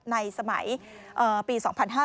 ในสมัยปี๒๕๕๙